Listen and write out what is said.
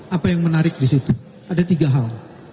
apa yang menarik disitu ada tiga hal